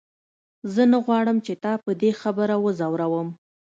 زه نه غواړم چې تا په دې خبره وځوروم.